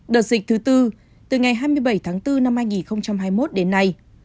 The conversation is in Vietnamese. đợt dịch thứ tư từ ngày hai mươi bảy tháng bốn năm hai nghìn hai mươi một đến nay